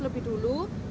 ketika tukik yang menetas